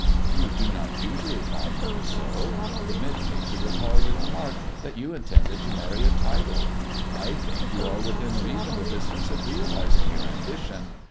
"You do not usually find me so. Permit me to recall your remark that you intended to marry a title. I think you are within reasonable distance of realizing your ambition.